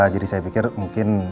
jadi saya pikir mungkin